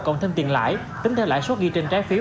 cộng thêm tiền lãi tính theo lãi suất ghi trên trái phiếu